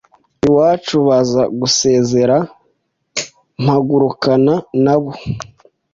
Iwacu baza gusezera mpagurukana nabo